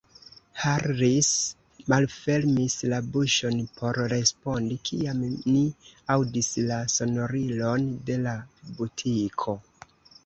Harris malfermis la buŝon por respondi, kiam ni aŭdis la sonorilon de la butiko.